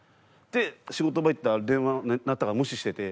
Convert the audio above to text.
で仕事場行ったら電話鳴ったから無視してて。